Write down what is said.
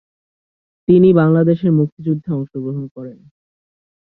তিনি বাংলাদেশের মুক্তিযুদ্ধে অংশগ্রহণ করেন।